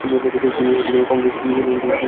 তিনি কংগ্রেসের হয়ে কাজ করেন।